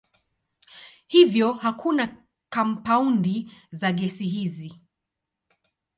Hivyo hakuna kampaundi za gesi hizi.